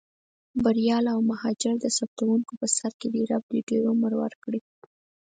بریال او مهاجر د ثبتوونکو په سر کې دي، رب دې ډېر عمر ورکړي.